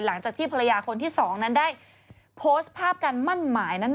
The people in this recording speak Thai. หลังจากที่ภรรยาคนที่๒นั้นได้โพสต์ภาพการมั่นหมายนั้น